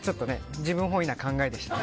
自分本位な考えでしたね。